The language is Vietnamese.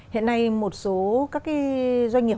hiện nay một số các doanh nghiệp